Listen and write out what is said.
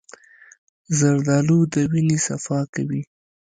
زردالو د وینې صفا کوي.